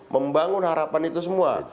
membangun harapan itu semua